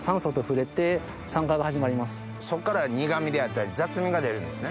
そっから苦味であったり雑味が出るんですね。